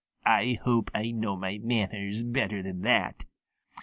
I hope I know my manners better than that."